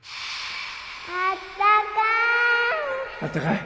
あったかい。